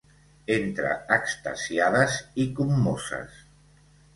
Entre extasiades i commoses.